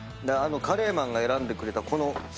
カレーマンが選んでくれたこの。